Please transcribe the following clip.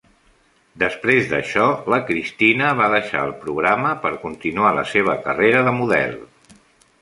Després d'això, la Christina va deixar el programa per continuar la seva carrera de model.